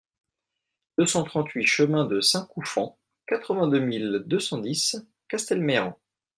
deux cent trente-huit chemin de Saint-Coufan, quatre-vingt-deux mille deux cent dix Castelmayran